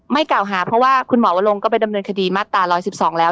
กล่าวหาเพราะว่าคุณหมอวลงก็ไปดำเนินคดีมาตรา๑๑๒แล้ว